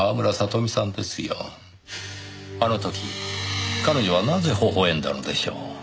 あの時彼女はなぜ微笑んだのでしょう？